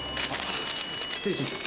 ・失礼します。